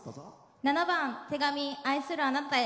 ７番「手紙愛するあなたへ」。